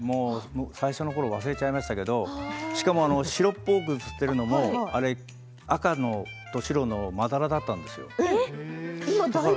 最初のころ忘れちゃいましたけれどもしかも白っぽく写っているのも赤と白のまだらだったんですよ。